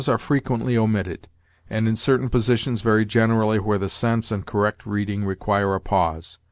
"Commas are frequently omitted, and in certain positions very generally, where the sense and correct reading require a pause.